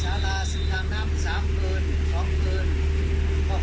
เห็นแล้วพ่อนิดหนึ่งอันนี้เลงให้หนียังไม่ออกออกนั่น